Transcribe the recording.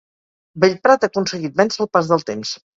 Bellprat ha aconseguit vèncer el pas del temps.